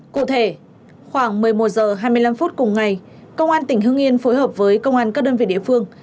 cụ thể khoảng một mươi một h hai mươi năm phút cùng ngày công an tỉnh hưng yên phối hợp với công an các đơn vị địa phương